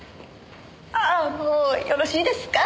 ああもうよろしいですか？